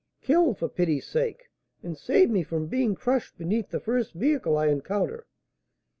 Kill, for pity's sake, and save me from being crushed beneath the first vehicle I encounter!"